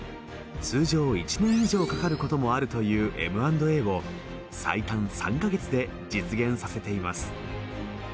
通常１年以上かかることもあるというＭ＆Ａを最短３カ月で実現させています